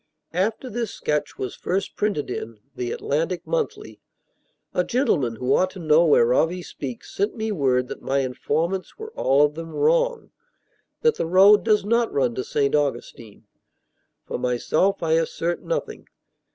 After this sketch was first printed in The Atlantic Monthly a gentleman who ought to know whereof he speaks sent me word that my informants were all of them wrong that the road does not run to St. Augustine. For myself, I assert nothing.